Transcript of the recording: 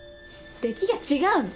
出来が違うの。